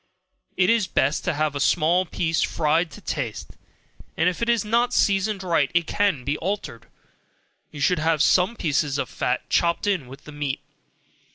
It is best to have a small piece fried to taste, and if it is not seasoned right, it can be altered; you should have some pieces of fat, chopped in with the meat.